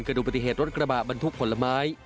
ดูปฏิเหตุรถกระบะบรรทุกผลไม้